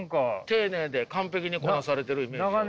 丁寧で完璧にこなされてるイメージですよ。